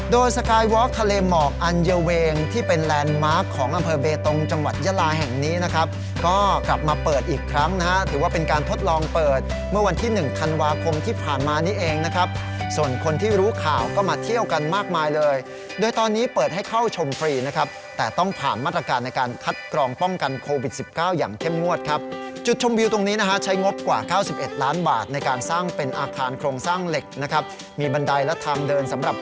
โดยสไกลวอคทะเลหมอกอันเยเวงที่เป็นแลนด์มาร์คของอำเภอเบตงจังหวัดยาราแห่งนี้นะครับก็กลับมาเปิดอีกครั้งนะฮะถือว่าเป็นการทดลองเปิดเมื่อวันที่๑ธันวาคมที่ผ่านมานี้เองนะครับส่วนคนที่รู้ข่าวก็มาเที่ยวกันมากมายเลยโดยตอนนี้เปิดให้เข้าชมฟรีนะครับแต่ต้องผ่านมาตรการในการคัดกรองป้องกันโค